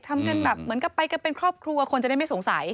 ทำกันแบบเหมือนกับไปกันเป็นครอบครัวคนจะได้ไม่สงสัย